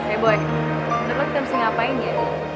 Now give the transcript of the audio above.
eh boy udah waktu ya mesti ngapain ya